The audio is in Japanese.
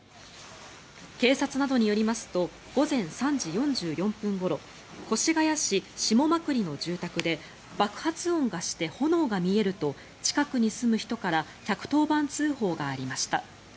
警察などによりますと午前３時４４分ごろ越谷市下間久里の住宅で爆発音がして炎が見えると近くに住む人から１１０番通報がありました。